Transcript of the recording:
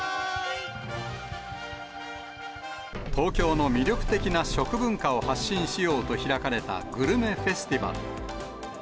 東京の魅力的な食文化を発信しようと開かれたグルメフェスティバル。